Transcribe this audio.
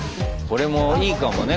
これもいいかもね